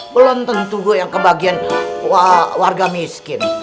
belum tentu yang kebagian warga miskin